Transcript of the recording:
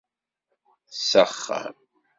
S axxam.